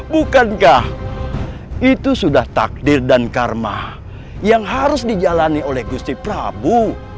bukankah itu sudah takdir dan karma yang harus dijalani oleh gusti prabu